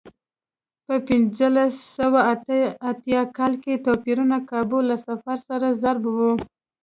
په پنځلس سوه اته اتیا کال کې توپیرونه کابو له صفر سره ضرب و.